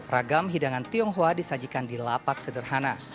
ragam hidangan tionghoa disajikan di lapak sederhana